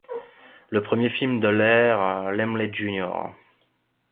Le premier film de l'ère Laemmle Jr.